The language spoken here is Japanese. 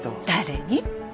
誰に？